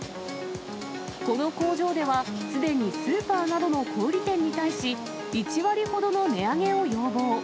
この工場では、すでにスーパーなどの小売り店に対し、１割ほどの値上げを要望。